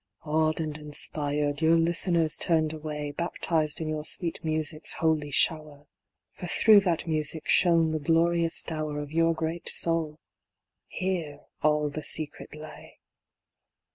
Awed and inspired, your listeners turned away, Baptized in your sweet music's holy shower. For through that music shone the glorious dower Of your great soul: here all the secret lay.